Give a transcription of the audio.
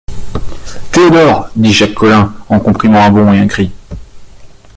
Théodore! dit Jacques Collin en comprimant un bond et un cri.